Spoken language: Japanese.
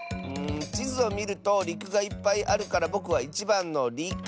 ちずをみるとりくがいっぱいあるからぼくは１ばんのりく！